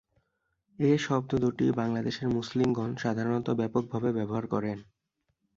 এ শব্দ দুটি বাংলাদেশের মুসলিমগণ সাধারণত ব্যাপকভাবে ব্যবহার করেন।